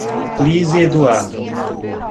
Liz e Eduardo